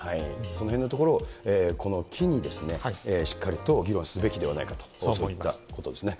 そのへんのところをこの機にですね、しっかりと議論すべきではないかと、そういったことですね。